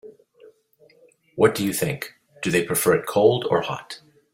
What do you think, do they prefer it cold or hot?